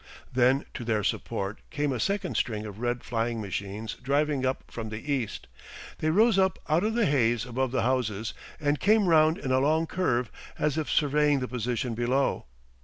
Then to their support came a second string of red flying machines driving up from the east. They rose up out of the haze above the houses and came round in a long curve as if surveying the position below.